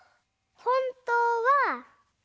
ほんとうは。